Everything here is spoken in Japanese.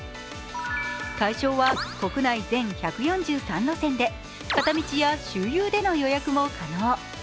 対象は国内全１４３路線で片道や周遊での予約も可能。